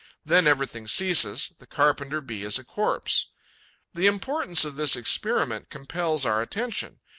Then everything ceases: the Carpenter bee is a corpse. The importance of this experiment compels our attention.